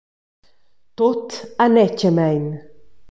Tut anetgamein.